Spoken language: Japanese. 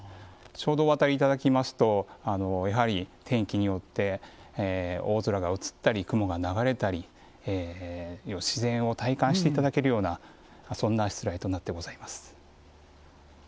ちょうどお渡りいただきますとやはり天気によって大空が映ったり、雲が流れたり自然を体感していただけるようなそんなしつらえとなってございます。